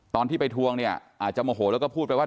ตอนที่ไปทวงเนี่ยอาจจะโมโหแล้วก็พูดไปว่า